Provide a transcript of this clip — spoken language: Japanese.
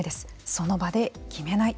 その場で決めない。